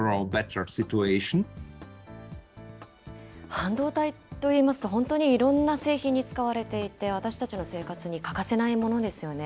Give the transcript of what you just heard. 半導体といいますと、本当にいろんな製品に使われていて、私たちの生活に欠かせないものですよね。